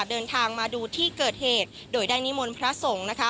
เดินทางมาดูที่เกิดเหตุโดยได้นิมนต์พระสงฆ์นะคะ